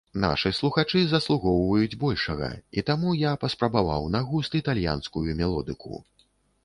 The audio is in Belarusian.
Нашы слухачы заслугоўваюць большага, і таму я паспрабаваў на густ італьянскую мелодыку.